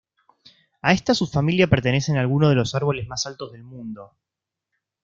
A esta subfamilia pertenecen algunos de los árboles más altos del mundo.